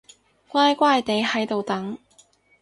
乖乖哋喺度等